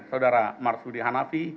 saudara marsudi hanafi